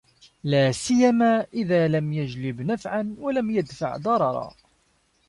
لَا سِيَّمَا إذَا لَمْ يَجْلِبْ نَفْعًا وَلَمْ يَدْفَعْ ضَرَرًا